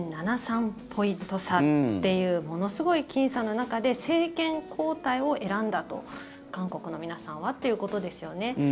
０．７３ポイント差というものすごいきん差の中で政権交代を選んだと韓国の皆さんはっていうことですよね。